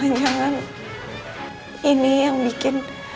apapun yang sudah ada di sini dan itu